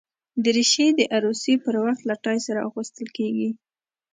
دریشي د عروسي پر وخت له ټای سره اغوستل کېږي.